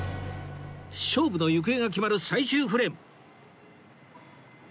勝負の行方が決まる最終フレーム